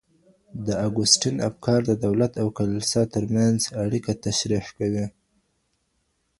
د اګوستین افکار د دولت او کلیسا ترمنځ اړیکه تشریح کوي.